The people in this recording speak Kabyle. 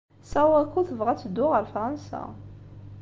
Sawako tebɣa ad teddu ɣer Fṛansa.